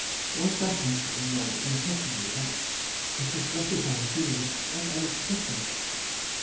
One passage in your letter affected me much, it was gratifying to me and unexpected